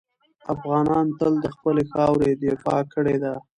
افغانانو تل د خپلې خاورې دفاع کړې ده.